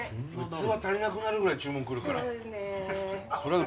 器足りなくなるぐらい注文くるから。